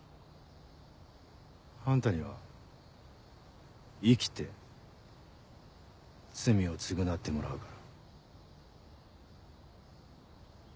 あんたには生きて罪を償ってもらうから。